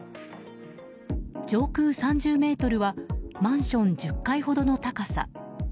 上空３０ｍはマンション１０階ほどの高さ。